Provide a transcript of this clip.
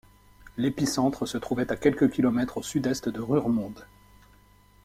L'épicentre se trouvait à quelques kilomètres au sud-est de Ruremonde.